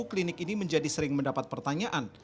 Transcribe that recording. klinik ini menjadi sering mendapat pertanyaan